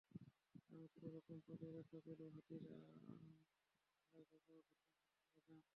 আমি কোনো রকমে পালিয়ে রক্ষা পেলেও হাতির হামলায় বাবা ঘটনাস্থলেই মারা যান।